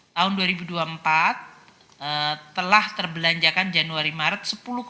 tahun dua ribu dua puluh empat telah terbelanjakan januari maret